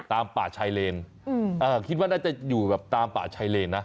ตามป่าชายเลนคิดว่าน่าจะอยู่แบบตามป่าชายเลนนะ